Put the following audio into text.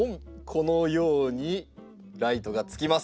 このようにライトがつきます。